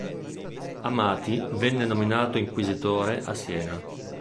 Amati venne nominato Inquisitore a Siena.